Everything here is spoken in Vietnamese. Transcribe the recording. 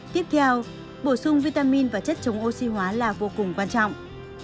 tiếp theo bổ sung vitamin và chất chống oxy hóa là vô cùng quan trọng